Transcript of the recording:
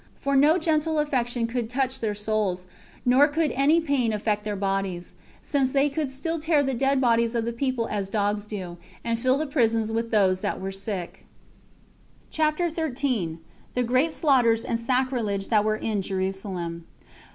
For no gentle affection could touch their souls, nor could any pain affect their bodies, since they could still tear the dead bodies of the people as dogs do, and fill the prisons with those that were sick. CHAPTER 13. The Great Slaughters And Sacrilege That Were In Jerusalem.